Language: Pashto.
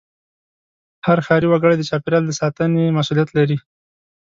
هر ښاري وګړی د چاپېریال ساتنې مسوولیت لري.